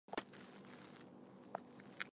奉圣都虞候王景以所部投降石敬瑭。